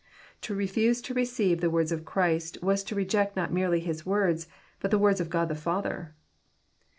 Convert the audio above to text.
To reftise to receive the words of Christ was to reject not merely His words, but the words of God the Father.